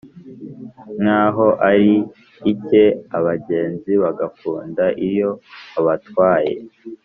nkaho ari icye, abagenzi bagakunda iyo abatwaye.